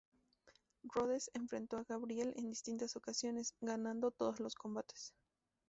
Rhodes enfrentó a Gabriel en distintas ocasiones, ganando todos los combates.